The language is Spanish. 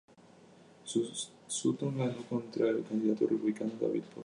Sutton ganó contra el candidato republicano David Potter.